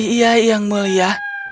iya yang mulia